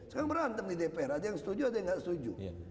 sekarang berantem nih dpr ada yang setuju ada yang gak setuju